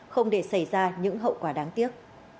không để xảy ra những hậu quả đáng tiếc